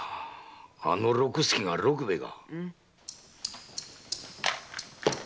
あの六助が六兵衛か。